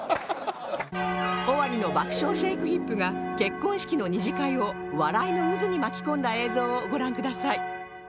尾張の爆笑シェイクヒップが結婚式の二次会を笑いの渦に巻き込んだ映像をご覧ください